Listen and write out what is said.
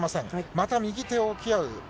また右手を置き合う。